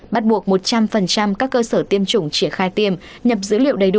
bắt buộc một trăm linh các cơ sở tiêm chủng triển khai tiêm nhập dữ liệu đầy đủ